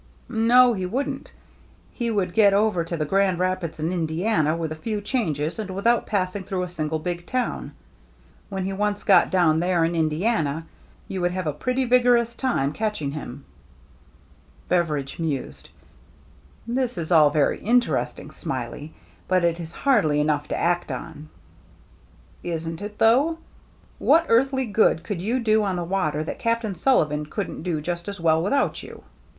" No, he wouldn't. He could get over to the Grand Rapids and Indiana with a few changes and without passing through a single big town. When he once got down there in Indiana, you would have a pretty vigorous time catching him." Beveridge mused. " This is all very inter 258 THE MERRT ANNE esting, Smiley, but it is hardly enough to act on." " Isn't it, though ? What earthly good could you do on the water that Captain Sullivan couldn't do just as well without you